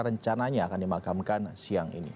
rencananya akan dimakamkan siang ini